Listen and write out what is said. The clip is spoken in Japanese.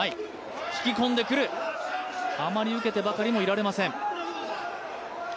引き込んでくる、あまり受けてばかりもいられません。